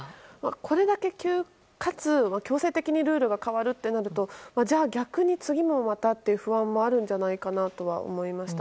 これだけ急かつ強制的にルールが変わるってなるとじゃあ、逆に次もまたっていう不安もあるんじゃないかと思いました。